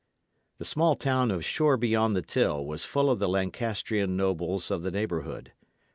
The small town of Shoreby on the Till was full of the Lancastrian nobles of the neighbourhood.